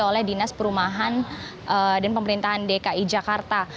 oleh dinas perumahan dan pemerintahan dki jakarta